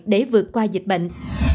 để vượt qua dịch bệnh